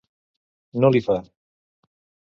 No li fa.